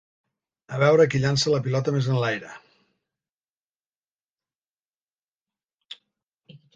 A veure qui llança la pilota més enlaire!